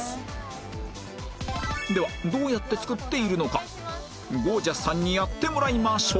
ではどうやって作っているのかゴー☆ジャスさんにやってもらいましょう